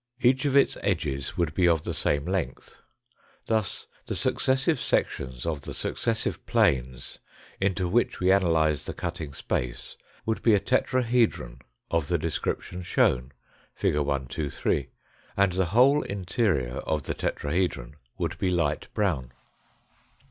Each of its edges would be of the same length. Thus the successive REMARKS ON THE FIGURES 201 sections of the successive planes into which we analyse the cutting space would be a tetrahedron of the description shown (fig. 123), and the whole interior of the tetrahedron would be light brown.